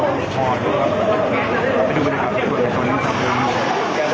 เอาลูกครับ